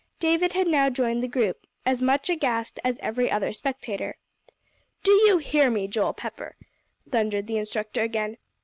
David had now joined the group, as much aghast as every other spectator. "Do you hear me, Joel Pepper?" thundered the instructor again.